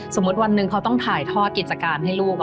วันหนึ่งเขาต้องถ่ายทอดกิจการให้ลูก